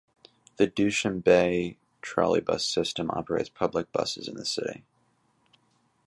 The Dushanbe trolleybus system operates public buses in the city.